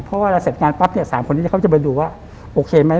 เพราะเวลาเสร็จงานปั๊บเนี่ย๓คนนี้เขาจะไปดูว่าโอเคไหม